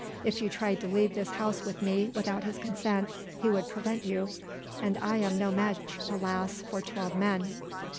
If you tried to leave this house with me without his consent he would prevent you, and I am no match alas! for twelve men."